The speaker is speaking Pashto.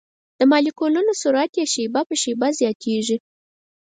د مالیکولونو سرعت یې شېبه په شېبه زیاتیږي.